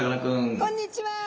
こんにちは。